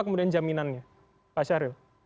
kemudian jaminannya pak syahril